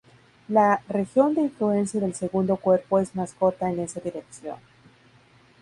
La región de influencia del segundo cuerpo es más corta en esa dirección.